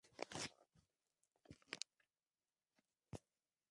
El pie con parecido aviar, probablemente estaba asociado con una zancada corta.